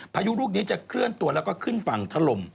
พายุลูกนี้จะเคลื่อนตัวแล้วก็ขึ้นฝั่งถล่ม